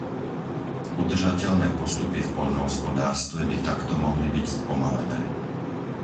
Udržateľné postupy v poľnohospodárstve by takto mohli byť spomalené.